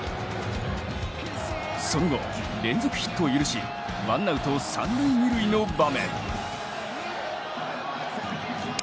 その後、連続ヒットを許しワンアウト三塁・二塁の場面。